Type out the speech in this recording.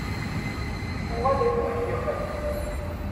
Uɣalen d uḥdiqen.